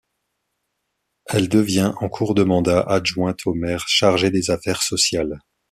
Elle devient, en cours de mandat, adjointe au maire chargée des affaires sociales.